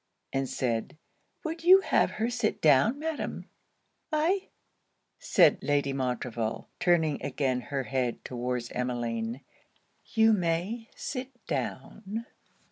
and said, 'Would you have her sit down, Madam?' 'Aye,' said Lady Montreville, turning again her head towards Emmeline 'You may sit down.'